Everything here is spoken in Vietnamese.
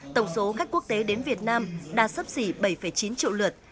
tổng số khách quốc tế đến việt nam đã sấp xỉ bảy chín triệu lượt